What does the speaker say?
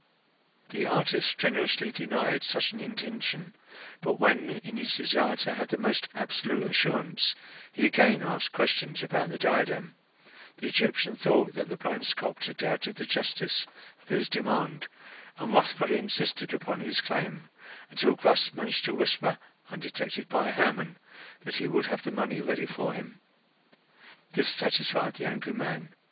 The artist strenuously denied such an intention; but when, in his desire to have the most absolute assurance, he again asked questions about the diadem, the Egyptian thought that the blind sculptor doubted the justice of his demand, and wrathfully insisted upon his claim, until Gras managed to whisper, undetected by Hermon, that he would have the money ready for him. This satisfied the angry man.